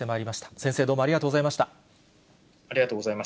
先生、どうもありがとうございま